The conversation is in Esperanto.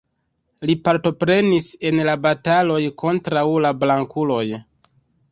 Li partoprenis en la bataloj kontraŭ la blankuloj.